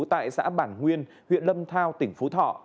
tại xã bản nguyên huyện lâm thao tỉnh phú thọ